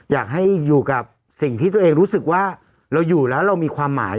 อยากให้อยู่กับสิ่งที่ตัวเองรู้สึกว่าเราอยู่แล้วเรามีความหมาย